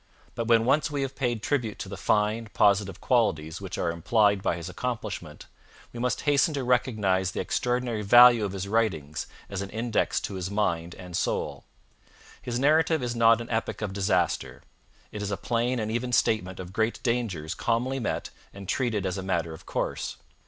But when once we have paid tribute to the fine, positive qualities which are implied by his accomplishment, we must hasten to recognize the extraordinary value of his writings as an index to his mind and soul. His narrative is not an epic of disaster. It is a plain and even statement of great dangers calmly met and treated as a matter of course.